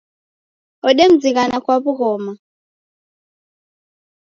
Odemzighana kwa w'ughoma